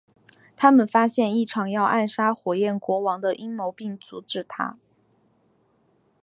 他们发现一场要暗杀火焰国王的阴谋并阻止它。